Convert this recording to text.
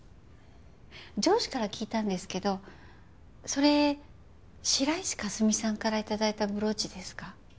上司から聞いたんですけどそれ白石佳澄さんから頂いたブローチですか？